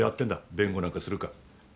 弁護なんかするか。